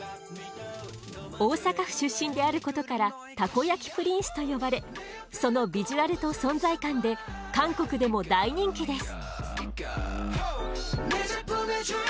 大阪府出身であることから「たこ焼きプリンス」と呼ばれそのビジュアルと存在感で韓国でも大人気です。